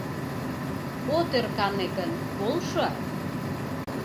— От ӧркане гын, полшо.